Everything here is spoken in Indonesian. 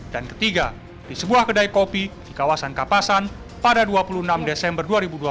dan ketiga di sebuah kedai kopi di kawasan kapasan pada dua puluh enam desember dua ribu dua puluh satu